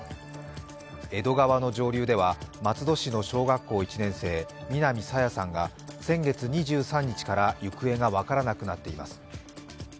江戸川の上流では松戸市の小学校一年生、南朝芽さんが先月２３日から行方が分からなくなっています。